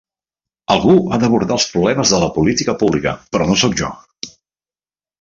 Algú ha d'abordar els problemes de la política pública, però no sóc jo.